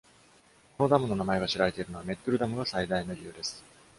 この名前が知られているのは、Mettur ダムが最大の理由です。